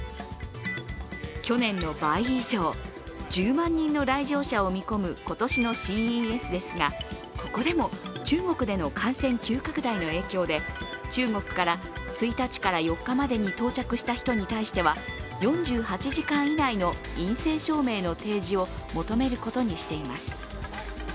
去年の倍以上、１０万人の来場者を見込む今年のＣＥＳですが、ここでも中国での感染急拡大の影響で、中国から１日から４日までに到着した人に対しては４８時間以内の陰性証明の提示を求めることにしています。